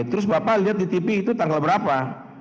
terus bapak lihat di tv itu tanggal berapa